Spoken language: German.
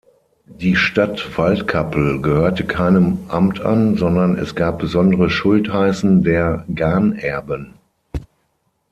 Die Stadt Waldkappel gehörte keinem Amt an, sondern es gab besondere Schultheißen der Ganerben.